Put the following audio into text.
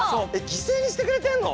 犠牲にしてくれてんの？